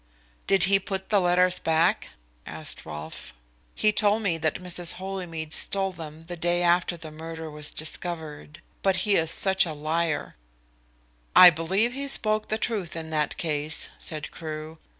"Did he put the letters back?" asked Rolfe. "He told me that Mrs. Holymead stole them the day after the murder was discovered. But he is such a liar " "I believe he spoke the truth in that case," said Crewe.